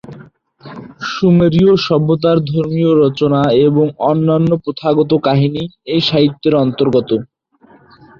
সুমেরীয় সভ্যতার ধর্মীয় রচনা এবং অন্যান্য প্রথাগত কাহিনি এই সাহিত্যের অন্তর্গত।